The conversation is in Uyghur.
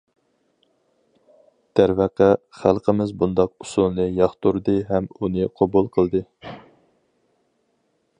دەرۋەقە، خەلقىمىز بۇنداق ئۇسۇلنى ياقتۇردى ھەم ئۇنى قوبۇل قىلدى.